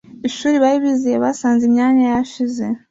ishuri bari bizeye basanze imyanya yashize